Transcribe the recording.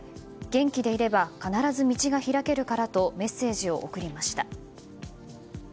元気でいれば必ず道が開けるからとメッセージを送りました。